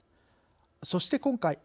そして、今回。